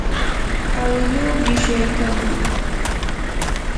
awiluu qishyaykanmi.